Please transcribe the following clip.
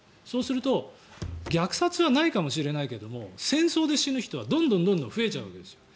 そうすると虐殺はないかもしれないけども戦争で死ぬ人はどんどん増えちゃうわけです。